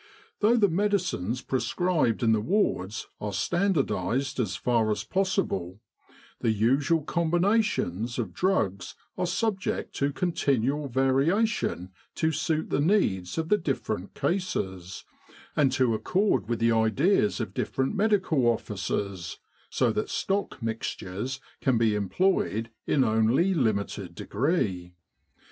Though the medicines prescribed in the wards are standardised as far as possible, the usual combina tions of drugs are subject to continual variation to suit the needs of the different cases, and to accord with 250 Military General Hospitals in Egypt the ideas of different Medical Officers, so that stock mixtures can be employed in only limited degree.